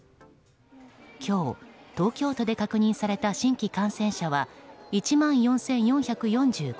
今日、東京都で確認された新規感染者は１万４４４５人。